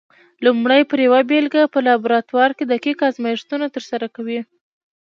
لومړی پر یوه بېلګه په لابراتوار کې دقیق ازمېښتونه ترسره کوي؟